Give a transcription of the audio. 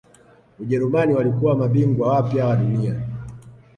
ujerumani walikuwa mabingwa wapya wa dunia